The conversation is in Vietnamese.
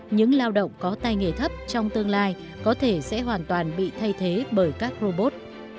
những lao động có tay nghề thấp trong tương lai có thể sẽ hoàn toàn bị thay thế bởi các robot